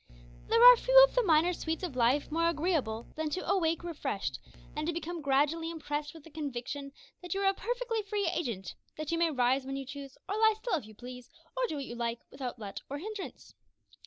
There are few of the minor sweets of life more agreeable than to awake refreshed, and to become gradually impressed with the conviction that you are a perfectly free agent, that you may rise when you choose, or lie still if you please, or do what you like, without let or hindrance.